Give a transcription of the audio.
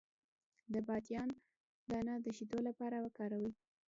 د بادیان دانه د شیدو لپاره وکاروئ